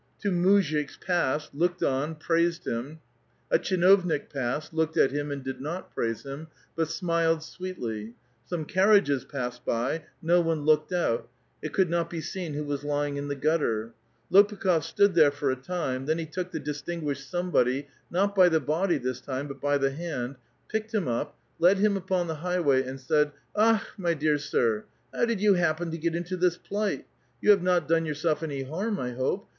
'* A VITAL QUESTION, 197 Two mttzhiks passed, looked on, praised him ; a (chinovnik passed, looked at him, Aud did not praise hitii, but smiled sweetly ; some carriages passed by ; no one looked out ; it could not l)e seen who was lying in the gutter ; LiOpukli6f stood there for a time, then he took the distinguished some body, not by the body this time, but by tiie hand, picked him up, led him upon the highway, and said, ^^ Akh^ my dear sir, how did you happen to get into this plight? You have not done yourself any harm, I hope?